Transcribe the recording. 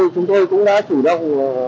chúng tôi cũng đã chủ động